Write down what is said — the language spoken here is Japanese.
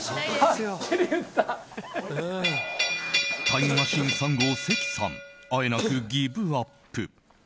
タイムマシーン３号、関さんあえなくギブアップ。